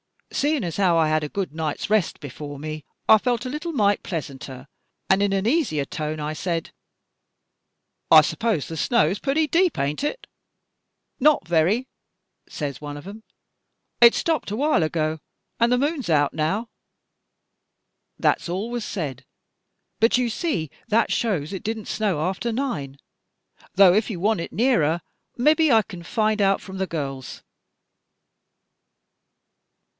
Seein' as how I had a good night's rest before me, I felt a leetle mite pleasanter an' in a ' easier tone I said; 'I s'pose the snow's purty deep, an't it?' *Not very,' says one on 'em, *it stopped awhile ago, an' the moon's out now!' That's all was said. But you see that shows it did n't snow after nine, tho' ef you want it nearer, mebbe I kin find out from the girls."